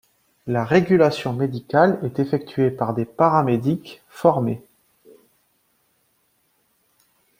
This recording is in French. La régulation médicale est effectuée par des paramédics formés.